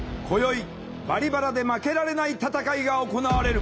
今宵「バリバラ」で負けられない戦いが行われる。